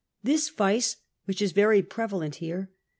This vice, which is very prevalent here.